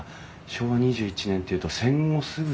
昭和２１年っていうと戦後すぐ。